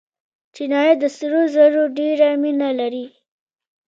چینایان د سرو زرو ډېره مینه لري.